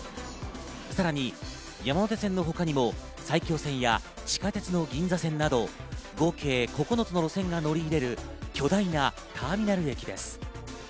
さらに山手線の他にも埼京線や地下鉄の銀座線など合計９つの路線が乗り入れる巨大なターミナル駅です。